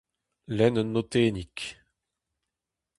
Lenn un notennig.